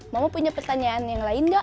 mau punya pertanyaan yang lain nggak